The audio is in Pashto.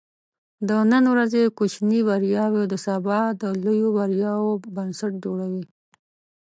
د نن ورځې کوچني بریاوې د سبا د لویو بریاوو بنسټ جوړوي.